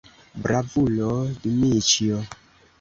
Bravulo, Dmiĉjo!